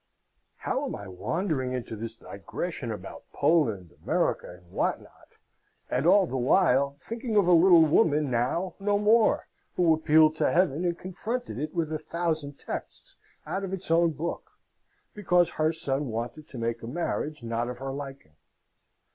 How am I wandering into this digression about Poland, America, and what not, and all the while thinking of a little woman now no more, who appealed to Heaven and confronted it with a thousand texts out of its own book, because her son wanted to make a marriage not of her liking?